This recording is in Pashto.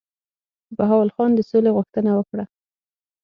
بهاول خان د سولي غوښتنه وکړه.